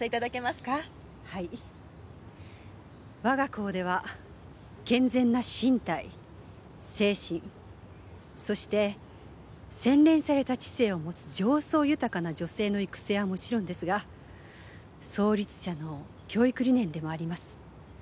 我が校では健全な身体精神そして洗練された知性を持つ情操豊かな女性の育成はもちろんですが創立者の教育理念でもあります